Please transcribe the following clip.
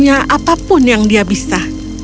hanya apapun yang dia bisa